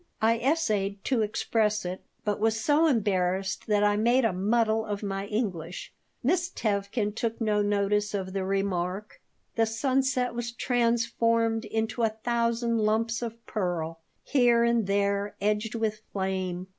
I essayed to express it, but was so embarrassed that I made a muddle of my English. Miss Tevkin took no notice of the remark. The sunset was transformed into a thousand lumps of pearl, here and there edged with flame.